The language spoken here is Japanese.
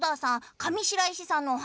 上白石さんのお話